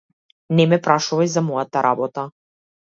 Не ме прашувај за мојата работа.